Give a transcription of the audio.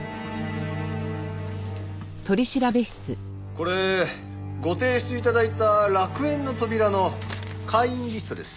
これご提出頂いた楽園の扉の会員リストです。